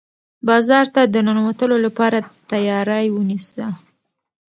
بازار ته د ننوتلو لپاره تیاری ونیسه.